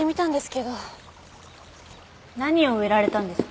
何を植えられたんですか？